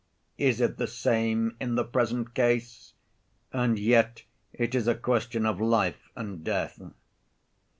Is it the same in the present case? And yet it is a question of life and death.